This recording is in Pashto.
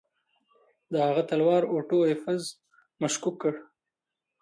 د هغه تلوار اوټو ایفز مشکوک کړ.